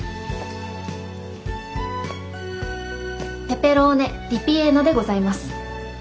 ペペローネリピエーノでございます。